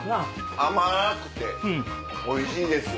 甘くておいしいです。